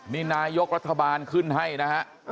นี่นายกรัฐบาลขึ้นให้นะฮะ